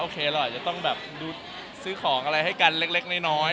เราอาจจะต้องแบบดูซื้อของอะไรให้กันเล็กน้อย